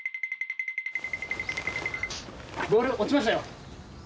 ボール落ちましたよ。